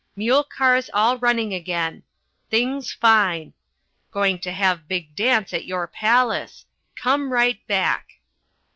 Mule cars all running again. Things fine. Going to have big dance at your palace. Come right back.